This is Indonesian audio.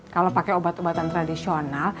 kalo pake obat obatan tradisional